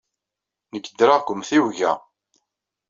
Nekk ddreɣ deg umtiweg-a.